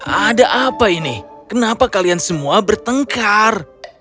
ada apa ini kenapa kalian semua bertengkar